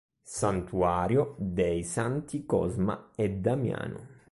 Santuario dei Santi Cosma e Damiano